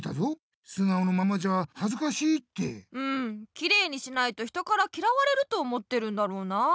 きれいにしないと人からきらわれると思ってるんだろうなあ。